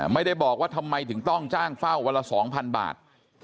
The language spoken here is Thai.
ไม่ได้บอกว่าทำไมถึงต้องจ้างเฝ้าวันละ๒๐๐บาท